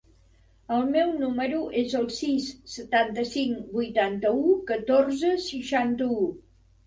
El meu número es el sis, setanta-cinc, vuitanta-u, catorze, seixanta-u.